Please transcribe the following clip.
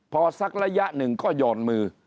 พอสักระยะหนึ่งก็หย่อนมือ